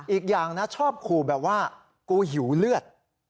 อีกอย่างนะชอบขู่แบบว่ากูหิวเลือด